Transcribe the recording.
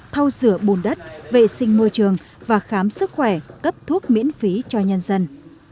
thao rửa bùn đất vệ sinh môi trường và khám sức khỏe cấp thuốc miễn phí cho nhân dân